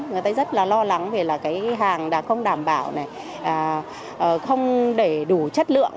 người ta rất là lo lắng về hàng không đảm bảo không để đủ chất lượng